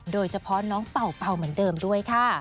โดยเฉพาะน้องเป่าเป่าเหมือนเดิมด้วยค่ะ